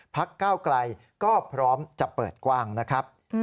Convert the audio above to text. ก้าวไกลก็พร้อมจะเปิดกว้างนะครับ